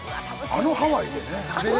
あのハワイでね